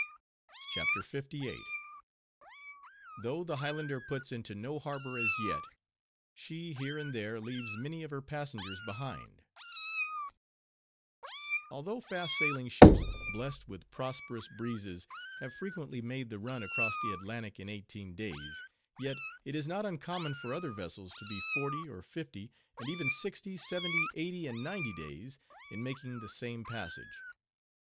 CHAPTER LVIII. THOUGH THE HIGHLANDER PUTS INTO NO HARBOR AS YET; SHE HERE AND THERE LEAVES MANY OF HER PASSENGERS BEHIND Although fast sailing ships, blest with prosperous breezes, have frequently made the run across the Atlantic in eighteen days; yet, it is not uncommon for other vessels to be forty, or fifty, and even sixty, seventy, eighty, and ninety days, in making the same passage.